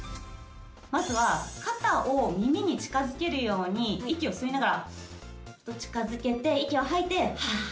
まずは肩を耳に近づけるように息を吸いながら近づけて息を吐いてハア。